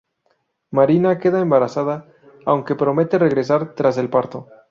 Marina queda embarazada, aunque promete regresar tras el parto.